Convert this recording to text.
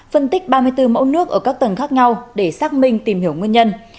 phân tích ba mươi bốn mẫu nước ở các tầng khác nhau để xác minh tìm hiểu nguyên nhân